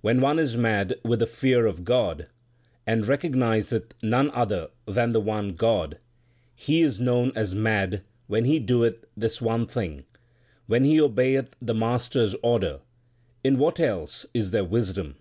When one is mad with the fear of God, And recognizeth none other than the one God, He is known as mad when he doeth this one thing When he obeyeth the Master s order in what else is there wisdom